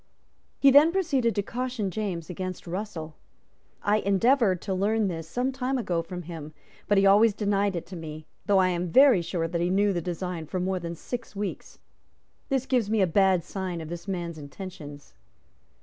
He then proceeded to caution James against Russell. "I endeavoured to learn this some time ago from him; but he always denied it to me, though I am very sure that he knew the design for more than six weeks. This gives me a bad sign of this man's intentions."